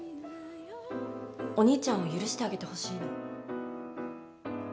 お兄ちゃんを許してあげてほしいの。